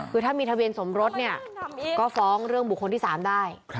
คือถ้ามีทะเบียนสมรสเนี่ยก็ฟ้องเรื่องบุคคลที่๓ได้